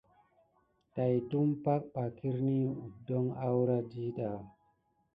Tät dumpag ɓa kirini wudon akura dida pay ki.